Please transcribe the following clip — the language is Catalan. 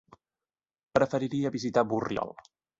Preferiria visitar Borriol.